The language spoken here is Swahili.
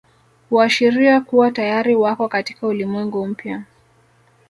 Huashiria kuwa tayari wako katika ulimwengu mpya